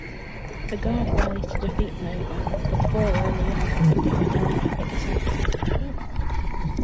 The Guard rallies to defeat Nova but fall early on under her telepathic assault.